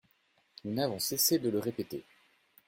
Nous n’avons cessé de le répéter.